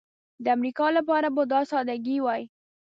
د امریکا لپاره به دا سادګي وای.